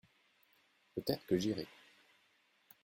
Peut-être que j’irai.